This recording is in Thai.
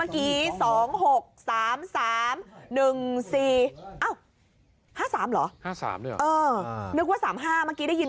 กลับได้กัน